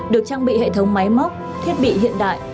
được trang bị hệ thống máy móc thiết bị hiện đại